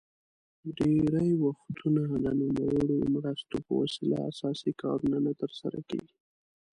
ډیری وختونه د نوموړو مرستو په وسیله اساسي کارونه نه تر سره کیږي.